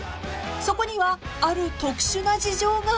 ［そこにはある特殊な事情が］